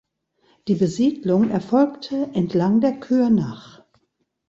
Die Besiedlung erfolgte entlang der Kürnach.